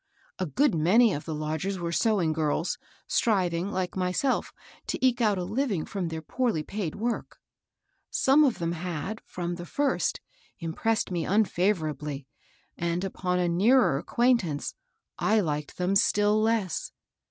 A good many of the lodgers were sewing girls, stnving, like myself, to eke out a living from their poorly paid work. Some of them had, from the first, impressed me unfavorably, and upon a nearer acquaintance I Uked them still less.